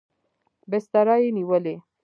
بستره یې نیولې.